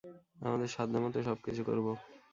আমাদের সাধ্যমতো সবকিছু করবো।